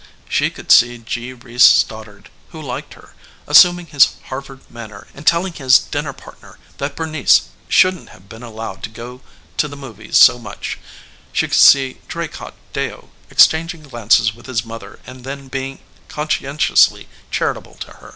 She could see G. Reece Stoddard, who liked her, assuming his Harvard manner and telling his dinner partner that Bernice shouldn't have been allowed to go to the movies so much; she could see Draycott Deyo exchanging glances with his mother and then being conscientiously charitable to her.